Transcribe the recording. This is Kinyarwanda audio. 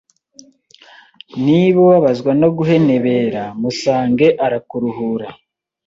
niba ubabazwa no guhenebera musange arakuruhura